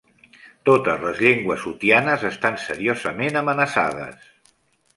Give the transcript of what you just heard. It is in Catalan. Totes les llengües utianes estan seriosament amenaçades.